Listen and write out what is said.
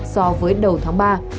so với đầu tháng ba